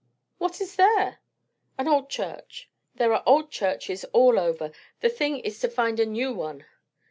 What is there?" "An old church." "There are old churches all over. The thing is to find a new one."